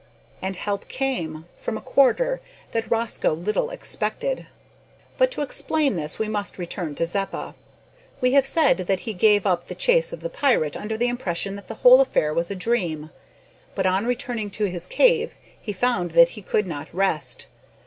And help came from a quarter that Rosco little expected. But to explain this we must return to Zeppa. We have said that he gave up the chase of the pirate under the impression that the whole affair was a dream; but, on returning to his cave, he found that he could not rest.